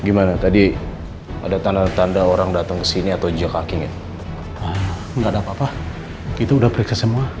hai gimana tadi ada tanda tanda orang datang ke sini atau jika kaki nggak ada apa apa itu udah berikutnya